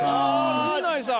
陣内さん！